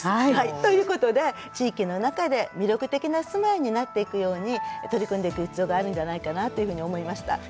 ということで地域の中で魅力的な住まいになっていくように取り組んでいく必要があるんじゃないかなというふうに思いました。